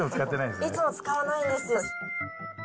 いつも使わないんですよ。